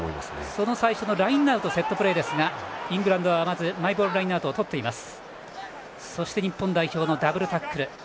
その最初のラインアウトセットプレーでしたがイングランドはまずマイボールラインアウトをとっています。